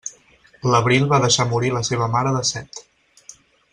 L'Abril va deixar morir la seva mare de set.